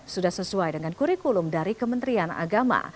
sudah sesuai dengan kurikulum dari kementerian agama